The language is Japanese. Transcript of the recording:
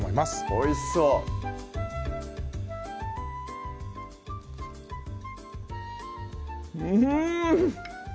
おいしそううん！